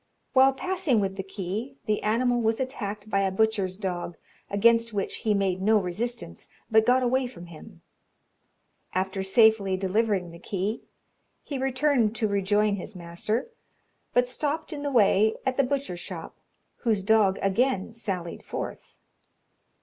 While passing with the key, the animal was attacked by a butcher's dog, against which he made no resistance, but got away from him. After safely delivering the key, he returned to rejoin his master, but stopped in the way at the butcher's shop, whose dog again sallied forth.